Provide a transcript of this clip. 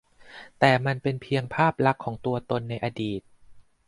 แต่มันเป็นเพียงภาพลักษณ์ของตัวตนในอดีต